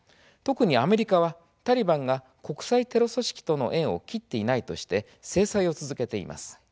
特にアメリカは、タリバンが国際テロ組織との縁を切っていないとして制裁を続けています。